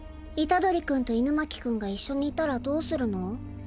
虎杖君と狗巻君が一緒にいたらどうするの？